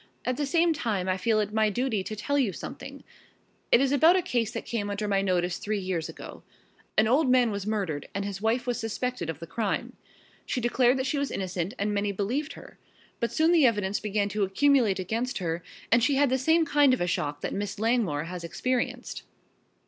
At the same time I feel it my duty to tell you something. It is about a case that came under my notice three years ago. An old man was murdered and his wife was suspected of the crime. She declared that she was innocent and many believed her. But soon the evidence began to accumulate against her and she had the same kind of a shock that Miss Langmore has experienced.